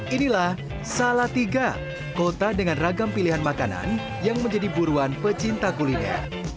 inilah salatiga kota dengan ragam pilihan makanan yang menjadi buruan pecinta kuliner